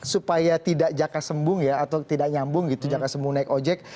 supaya tidak jaka sembung ya atau tidak nyambung gitu jaka sembung naik ojek